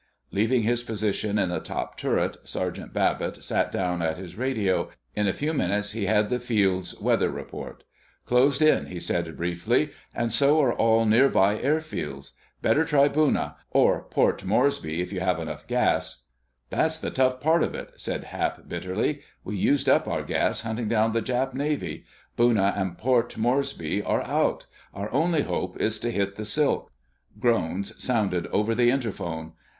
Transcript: Leaving his position in the top turret, Sergeant Babbitt sat down at his radio. In a few minutes he had the field's weather report. "Closed in," it said briefly, "and so are all near by airfields. Better try Buna—or Port Moresby if you have enough gas." "That's the tough part of it," said Hap bitterly. "We used up our gas hunting down the Jap Navy. Buna and Port Moresby are out! Our only hope is to hit the silk." Groans sounded over the interphone.